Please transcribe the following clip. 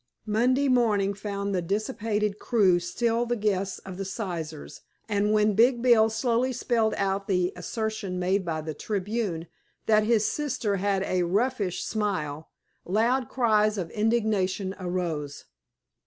Monday morning found the dissipated crew still the guests of the Sizers, and when big Bill slowly spelled out the assertion made by the Tribune that his sister had "a roughish smile" loud cries of indignation arose.